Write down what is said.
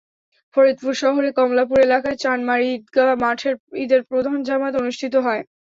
ফরিদপুর শহরের কমলাপুর এলাকায় চানমারী ঈদগা মাঠে ঈদের প্রধান জামাত অনুষ্ঠিত হয়।